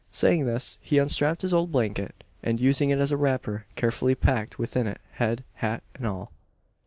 Saying this, he unstrapped his old blanket; and, using it as a wrapper, carefully packed within it head, hat, and all.